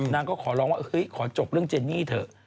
นางก็ขอร้องว่าเฮ้ยขอจบเรื่องเจนนี่เถอะ